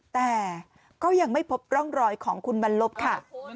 แต่ก็ยังไม่พบร่องรอยของคุณบรรลบค่ะ